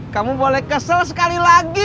kamu boleh kesel sekali lagi